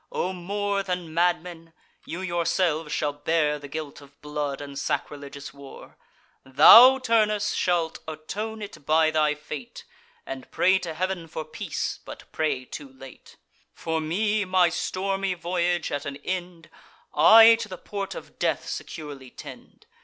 O more than madmen! you yourselves shall bear The guilt of blood and sacrilegious war: Thou, Turnus, shalt atone it by thy fate, And pray to Heav'n for peace, but pray too late. For me, my stormy voyage at an end, I to the port of death securely tend.